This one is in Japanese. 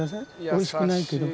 おいしくないけど。